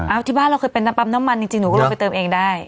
เอาที่บ้านเราเคยเป็นน้ำปั๊มน้ำมันจริงหนูก็ลงไปเติมเองได้